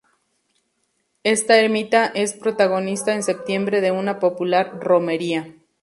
Esta ermita es protagonista en septiembre de una popular romería.